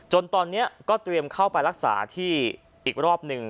จนตอนนี้ก็เตรียมเข้าไปรักษาที่อีกรอบหนึ่ง